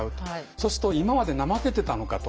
そうすると今まで怠けてたのかと。